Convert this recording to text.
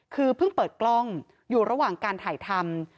คือเพิ่งเปิดกล้องอยู่ระหว่างการถ่ายทำ